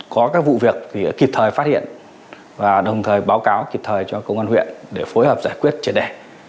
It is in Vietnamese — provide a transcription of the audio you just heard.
có các vụ việc thì kịp thời phát hiện và đồng thời báo cáo kịp thời cho công an huyện để phối hợp giải quyết triệt đề